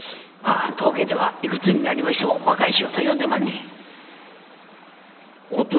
「まあ当家ではいくつになりましても若い衆と呼んでまんねや」。